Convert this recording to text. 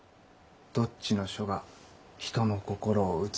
どっちの書が人の心を打つか。